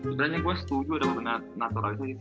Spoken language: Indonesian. sebenernya gue setuju ada pemain naturalisasi